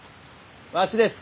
わしです